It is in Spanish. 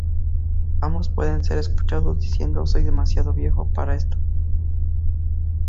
Ambos pueden ser escuchados diciendo: "Soy demasiado viejo para esto.